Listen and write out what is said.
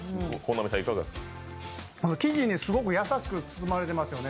生地にすごく優しく包まれてますよね。